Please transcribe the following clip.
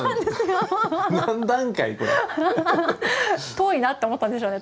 遠いなって思ったんでしょうね